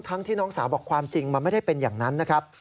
ที่น้องสาวบอกความจริงมันไม่ได้เป็นอย่างนั้นนะครับ